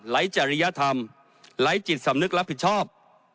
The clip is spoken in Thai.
จริยธรรมไร้จิตสำนึกรับผิดชอบ